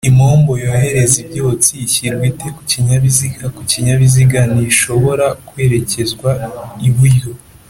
impombo yohereza ibyotsi ishyirwa ite kukinyabiziga kukinyabiziga ntishobora kwerekezwa iburyo